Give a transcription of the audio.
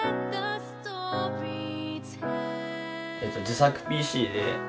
自作ＰＣで。